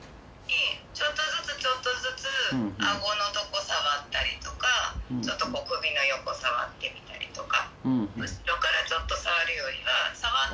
ちょっとずつちょっとずつ顎のとこ触ったりとかちょっとこう首の横触ってみたりとか。